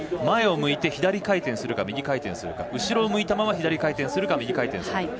前を向いて左回転するか右回転するか後ろを向いたまま左回転するか右回転するか。